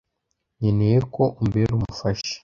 nkeneye ko umbera umufasha.